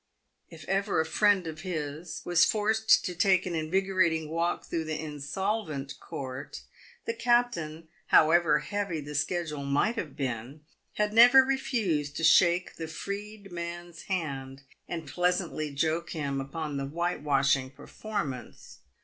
If ever a friend of his was forced to take an invigorating walk through the Insolvent Court, the captain, however heavy the schedule might have been, had never refused to shake the freed man's hand, and pleasantly joke him upon the whitewashing performance.